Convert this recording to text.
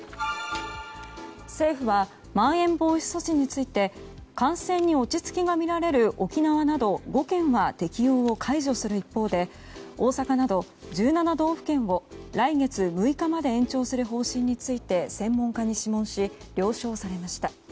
政府はまん延防止措置について感染に落ちつきが見られる沖縄など５県は適用を解除する一方で大阪など１７道府県を来月６日まで延長する方針について専門家に諮問し了承されました。